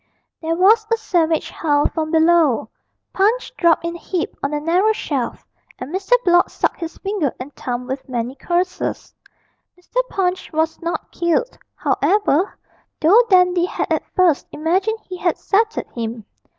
There was a savage howl from below, Punch dropped in a heap on the narrow shelf, and Mr. Blott sucked his finger and thumb with many curses. Mr. Punch was not killed, however, though Dandy had at first imagined he had settled him.